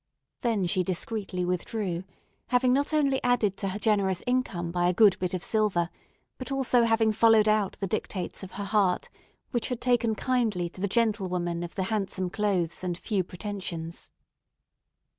Then she discreetly withdrew, having not only added to her generous income by a good bit of silver, but also having followed out the dictates of her heart, which had taken kindly to the gentle woman of the handsome clothes and few pretensions.